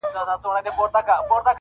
خپل استازی یې ورواستاوه خزدکه-